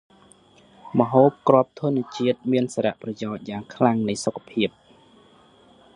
ម្ហូបគ្រាប់ធនជាតិ មានសារៈប្រយោជន៏យ៉ាងខ្លាំងនៃសុខភាព ។